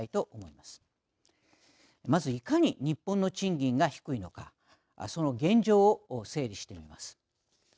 まず、いかに日本の賃金が低いのかその現状を整理してみます。